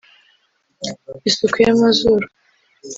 isuku y’amazuru,